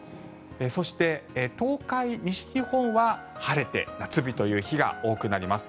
そして、東海、西日本は晴れて夏日という日が多くなります。